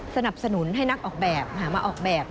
สนับสนุนให้นักออกแบบ